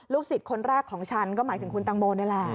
ลูกศิษย์คนแรกของฉันก็หมายถึงคุณแตงโมะนั่นแหละ